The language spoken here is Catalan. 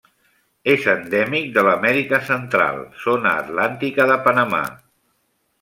És endèmic de l'Amèrica Central: zona atlàntica de Panamà.